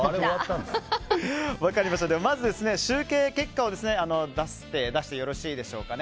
まず、集計結果を出してよろしいでしょうか。